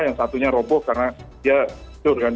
yang satunya robo karena dia turkan